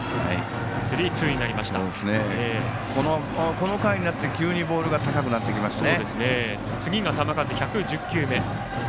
この回になって急にボールが高くなってきましたね。